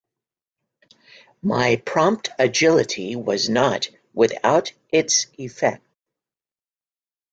My prompt agility was not without its effect.